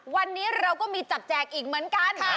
วันนี้เราก็มีจับแจกอีกเหมือนกัน